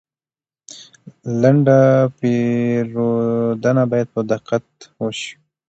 لنډه پیرودنه باید په دقت وشي.